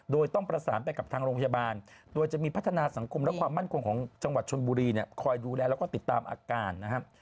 โดยต้องประสานไปกับทางโรงพยาบาล